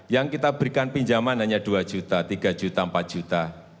yang kita berikan pinjaman hanya dua juta tiga juta empat juta